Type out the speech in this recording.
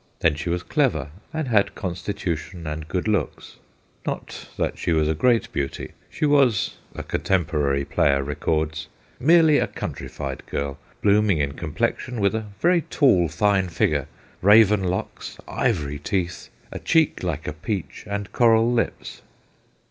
Then she was clever, and had constitution and good looks. Not that she was a great beauty : she was, a contemporary player records, ' merely a countrified girl, blooming in complexion, with a very tall, fine figure, raven locks, ivory teeth, a cheek like a peach, and coral lips.'